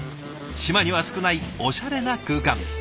島には少ないおしゃれな空間。